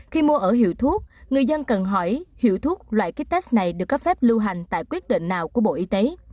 khi mua ở hiệu thuốc người dân cần hỏi hiệu thuốc loại kích test này được cấp phép lưu hành tại quyết định nào của bộ y tế